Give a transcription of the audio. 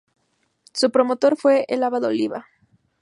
Su promotor fue el abad Oliba.